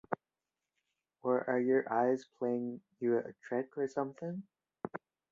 Or are your eyes playing you a trick or something?